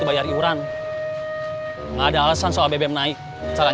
ini sih langsung terseret